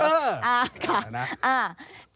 เอ่อค่ะว่าไงนะ